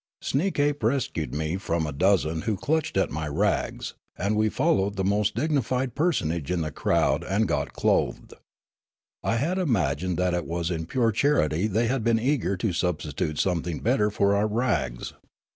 Sneekape rescued me from a dozen who clutched at my rags; and we followed the most dignified personage in the crowd and got re clothed. I had imagined that it was in pure charity they had been eager to substitute something better for our rags.